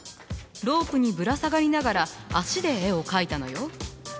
ロープにぶら下がりながら足で絵を描いたのよ。